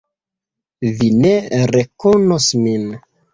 Vi ne rekonos min.